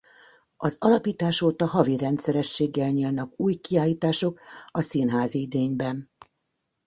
Az alapítás óta havi rendszerességgel nyílnak új kiállítások a színházi idényben.